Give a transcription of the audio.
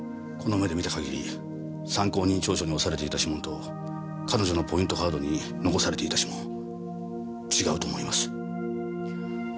この目で見た限り参考人調書に押されていた指紋と彼女のポイントカードに残されていた指紋違うと思います。